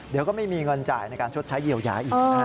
เดี๋ยวก็ไม่มีเงินจ่ายในการชดใช้เยียวยาอีกนะฮะ